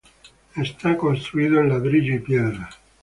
Está fabricado en ladrillo y piedras.